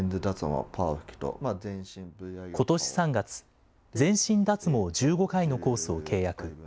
ことし３月、全身脱毛１５回のコースを契約。